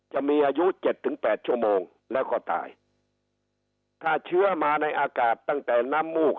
จะมีอายุเจ็ดถึงแปดชั่วโมงแล้วก็ตายถ้าเชื้อมาในอากาศตั้งแต่น้ำมูก